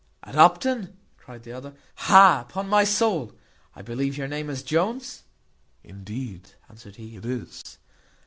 "At Upton!" cried the other; "Ha! upon my soul, I believe your name is Jones?" "Indeed," answered he, "it is."